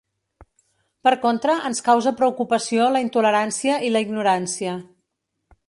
Per contra, ens causa preocupació la intolerància i la ignorància.